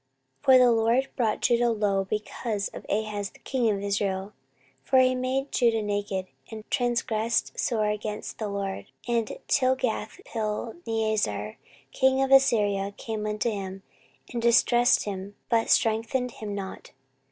14:028:019 For the LORD brought Judah low because of Ahaz king of Israel; for he made Judah naked, and transgressed sore against the LORD. 14:028:020 And Tilgathpilneser king of Assyria came unto him, and distressed him, but strengthened him not.